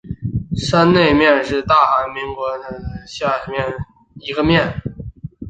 山内面是大韩民国庆尚北道庆州市下辖的一个面。